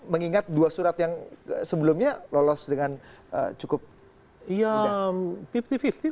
mengingat dua surat yang sebelumnya lolos dengan cukup mudah